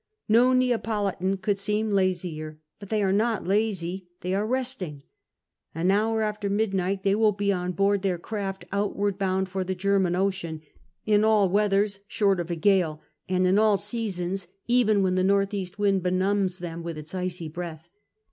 No Neapolitan could seem lazier ; but they arc not lazy : they are resting. An hour after midnight they will be on board their craft outward bound for the German Ocean, in all weathers short of a gale, and in all seasons, even when the north east wind benumbs them with its icy 1)rcath.